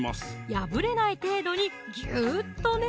破れない程度にギューッとね